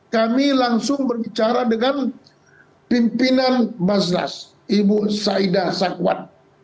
kami langsung berbicara dengan pimpinan basnas ibu saidah sakwat